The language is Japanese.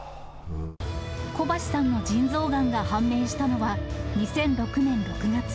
小橋さんの腎臓がんが判明したのは２００６年６月。